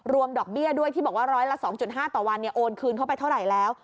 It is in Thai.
ดอกเบี้ยด้วยที่บอกว่าร้อยละ๒๕ต่อวันโอนคืนเข้าไปเท่าไหร่แล้ว